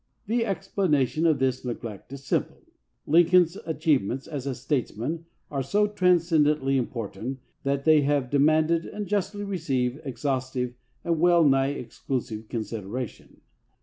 The explanation of this neglect is simple. Lin coln's achievements as a statesman are so trans cendently important that they have demanded and justly received exhaustive and well nigh ex clusive consideration.